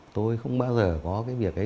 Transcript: tôi không bao giờ có cái việc ấy